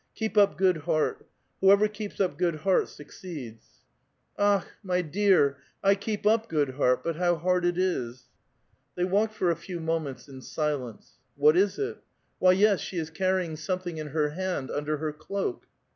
Keep up good heart; whoever keeps up good heart suc ceeds !"*'*' Akh! my dear, I keep up good heart, but how hard it is!" They walked for a few moments in silence. What is it? Why, 3es, she is carrying something in her hand under her cloak!